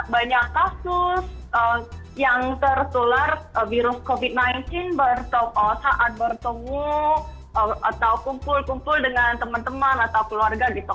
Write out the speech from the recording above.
banyak kasus yang tertular virus covid sembilan belas saat bertemu atau kumpul kumpul dengan teman teman atau keluarga gitu